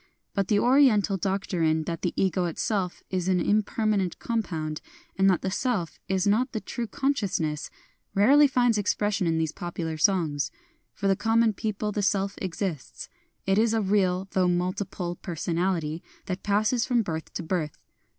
But the Oriental doc trine that the Ego itself is an impermanent compound, and that the Self is not the true Consciousness, rarely finds expression in these popular songs. For the common people the Self exists : it is a real (though multiple) personality that passes from birth to birth.